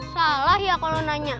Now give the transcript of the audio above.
salah ya kalau nanya